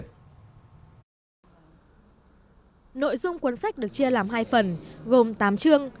nội dung cuốn sách được chia làm hai phần gồm tám chương